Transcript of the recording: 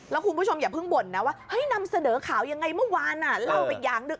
แล้วคุณผู้ชมอย่าเพิ่งบ่นนะว่าเฮ้ยนำเสนอข่าวยังไงเมื่อวานเล่าไปอย่างหนึ่ง